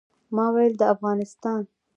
ما ویل د افغانستان.